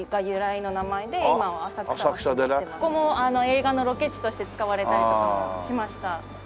ここも映画のロケ地として使われたりとかしました。